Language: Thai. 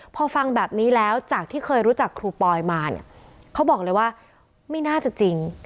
พอฟังแบบนี้แล้วจากที่เคยรู้จักครูปอยมาเนี่ยเขาบอกเลยว่าไม่น่าจะจริง